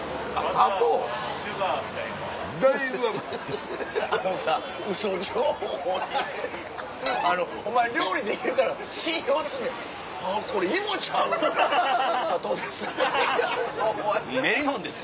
「砂糖です」。